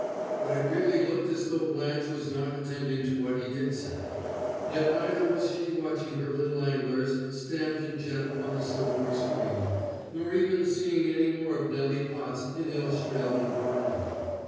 But it really looked as though Blanche was not attending to what he did say; yet neither was she watching her little anglers stamped in jet upon a silvery stream, nor even seeing any more of Nelly Potts in the Australian veranda.